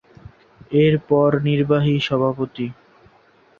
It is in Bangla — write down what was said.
এর পর নির্বাহী সভাপতি।